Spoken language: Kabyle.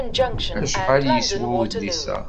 Acḥal i yeswa udlis-a?